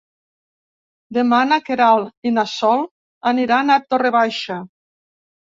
Demà na Queralt i na Sol aniran a Torre Baixa.